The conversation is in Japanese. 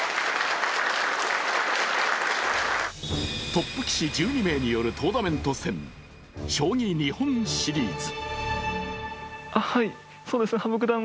トップ棋士１２名によるトーナメント戦将棋日本シリーズ。